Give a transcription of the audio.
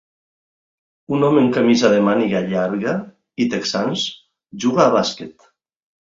Un home amb camisa de màniga llarga i texans juga a bàsquet.